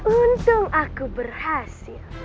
untung aku berhasil